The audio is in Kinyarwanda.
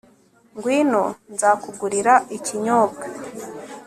Ngwino nzakugurira ikinyobwa